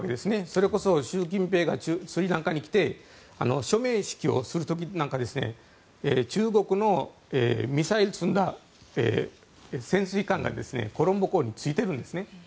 それこそ習近平がスリランカに来て署名式をする時なんか中国のミサイルを積んだ潜水艦がコロンボ港についてるんですね。